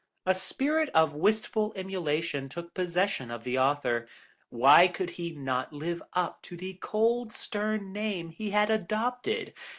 A spirit of wistful emulation took possession of the author; why could he not live up to the cold stern name he had adopted?